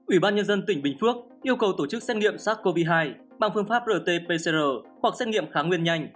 ủy ban nhân dân tỉnh bình phước yêu cầu tổ chức xét nghiệm sars cov hai bằng phương pháp rt pcr hoặc xét nghiệm kháng nguyên nhanh